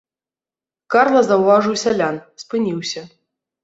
Карла заўважыў сялян, спыніўся.